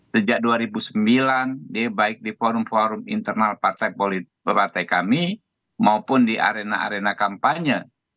sejak dua ribu sembilan baik di forum forum internal partai kami maupun di arena arena kampanye